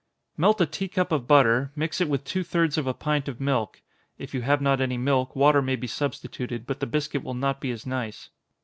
_ Melt a tea cup of butter mix it with two thirds of a pint of milk, (if you have not any milk, water may be substituted, but the biscuit will not be as nice.)